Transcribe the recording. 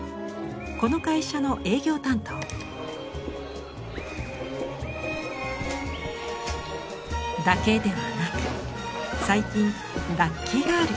この会社の営業担当。だけではなく最近ラッキーガール！